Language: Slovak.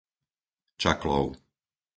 Čaklov